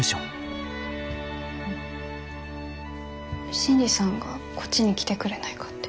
新次さんがこっちに来てくれないかって。